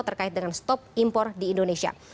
terkait dengan stop impor di indonesia